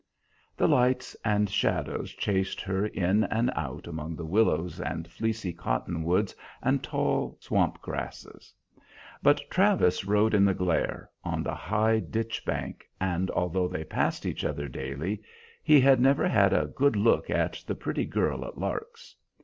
The lights and shadows chased her in and out among the willows and fleecy cottonwoods and tall swamp grasses; but Travis rode in the glare, on the high ditch bank, and, although they passed each other daily, he had never had a good look at the "pretty girl at Lark's."